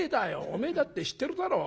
おめえだって知ってるだろ。